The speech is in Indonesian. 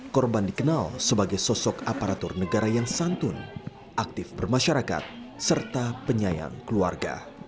korban dikenal sebagai sosok aparatur negara yang santun aktif bermasyarakat serta penyayang keluarga